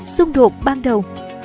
xung đột ban đầu